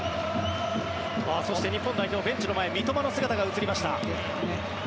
そして日本代表ベンチの前三笘の姿が映りました。